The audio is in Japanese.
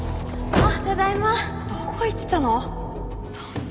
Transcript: あっ。